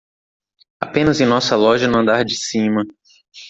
Apenas em nossa loja no andar de cima